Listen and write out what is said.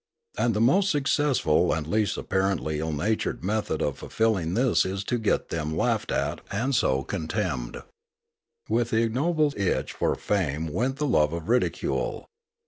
And the most successful and least apparently ill natured method of fulfilling this is to get them laughed at and so con temned. With the ignoble itch for fame went the love of ridicule.